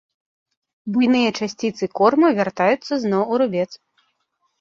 Буйныя часціцы корму вяртаюцца зноў у рубец.